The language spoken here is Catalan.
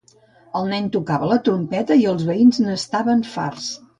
El nen tocava la trompeta i els veïns n'estaven farts.